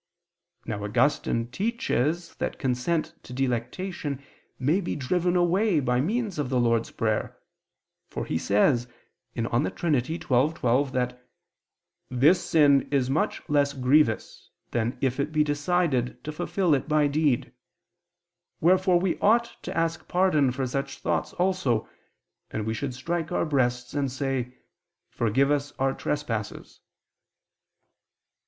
Now Augustine teaches that consent to delectation may be driven away by means of the Lord's Prayer: for he says (De Trin. xii, 12) that "this sin is much less grievous than if it be decided to fulfil it by deed: wherefore we ought to ask pardon for such thoughts also, and we should strike our breasts and say: 'Forgive us our trespasses.'"